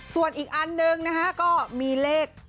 ส่วนอีกอันนึงก็มีเลข๘๖๗